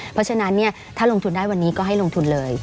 เพราะฉะนั้นถ้าลงทุนได้วันนี้ก็ให้ลงทุนเลย